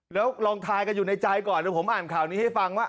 แล้วลองทายกันอยู่ในใจก่อนเดี๋ยวผมอ่านข่าวนี้ให้ฟังว่า